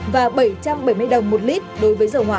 và bảy trăm bảy mươi đồng một lít đối với dầu hỏa